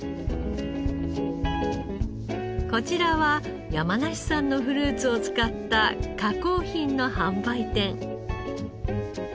こちらは山梨産のフルーツを使った加工品の販売店。